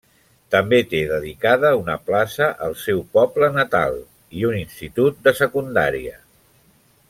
També té dedicada una plaça al seu poble natal, i un institut de secundària.